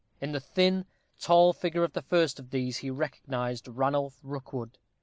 In the thin, tall figure of the first of these he recognized Ranulph Rookwood.